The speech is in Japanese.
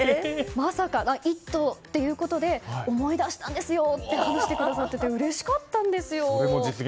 「イット！」ということで思い出したんですよと話してくださっててうれしかったんですよ。